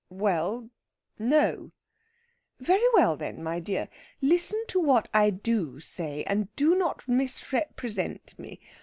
"Well, no!" "Very well, then, my dear, listen to what I do say, and do not misrepresent me.